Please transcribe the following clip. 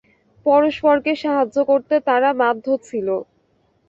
পরস্পরকে সাহায্য করতে তারা বাধ্য ছিল।